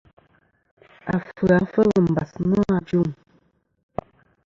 Afɨ-a fel mbas nô ajuŋ.